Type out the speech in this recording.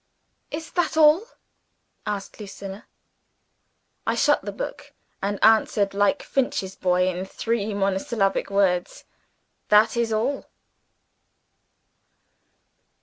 "Is that all?" asked Lucilla. I shut the book, and answered, like Finch's boy, in three monosyllabic words: "That is all."